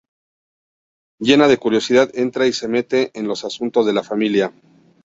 Llena de curiosidad, entra y se mete en los asuntos de la familia.